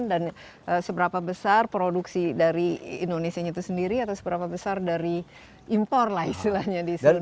dan seberapa besar produksi dari indonesia itu sendiri atau seberapa besar dari impor lah istilahnya di sehari hari